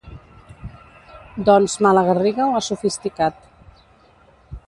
Doncs Malagarriga ho ha sofisticat.